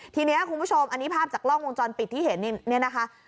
ทีนี้คุณผู้ชมอันนี้ภาพจากกล้องวงจรปิดที่เห็นเนี่ยนะคะ